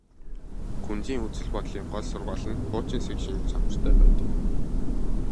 Күнзийн үзэл бодлын гол сургаал нь хуучинсаг шинж чанартай байдаг юм.